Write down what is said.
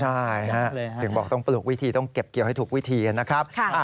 ใช่ถึงบอกต้องปลูกวิธีต้องเก็บเกี่ยวให้ถูกวิธีนะครับ